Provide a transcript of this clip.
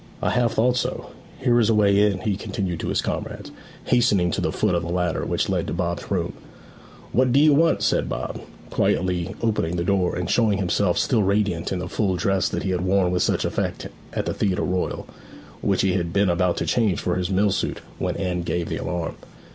I half thought so Here is a way in,' he continued to his comrades, hastening to the foot of the ladder which led to Bob's room. 'What d'ye want?' said Bob, quietly opening the door, and showing himself still radiant in the full dress that he had worn with such effect at the Theatre Royal, which he had been about to change for his mill suit when Anne gave the alarm.